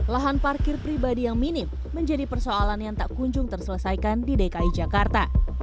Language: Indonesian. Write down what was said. lahan parkir pribadi yang minim menjadi persoalan yang tak kunjung terselesaikan di dki jakarta